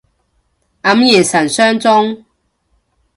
黯然神傷中